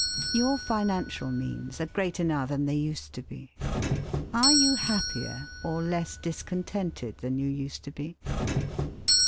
Your financial means are greater now than they used to be. Are you happier or less discontented than you used to be?